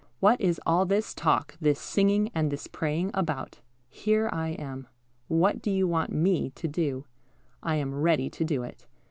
What is all this talk, this singing, and this praying about? Here I am. What do you want Me to do? I am ready to do it."